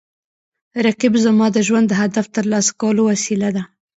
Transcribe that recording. رقیب زما د ژوند د هدف ترلاسه کولو وسیله ده